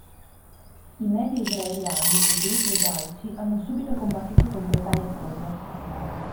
I media israeliani e i gruppi ebraici hanno subito combattuto contro tali accuse.